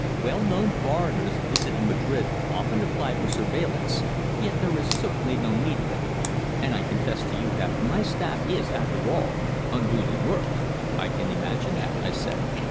Well known foreigners visiting Madrid often apply for surveillance, yet there is certainly no need of it. And I confess to you that my staff is, after all, unduly worked." "I can quite imagine that," I said.